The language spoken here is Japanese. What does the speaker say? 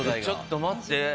ちょっと待って。